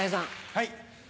はい。